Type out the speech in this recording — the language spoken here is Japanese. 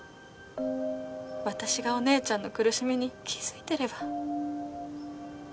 私がお姉ちゃんの苦しみに気づいていれば。